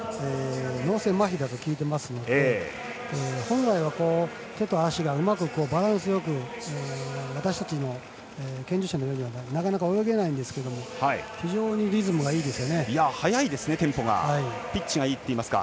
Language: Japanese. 脳性まひだと聞いていますので本来は手と足がうまくバランスよく私たちの健常者のようにはなかなか泳げないんですが速いですね、テンポが。